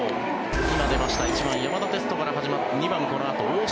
今、出ました１番、山田哲人から始まって２番、このあと大島。